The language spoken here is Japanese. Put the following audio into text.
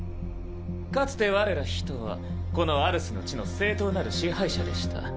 かつて我ら人はこのアルスの地の正当なる支配者でした。